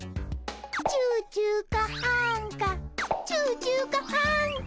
チューチューかあんかチューチューかあんか。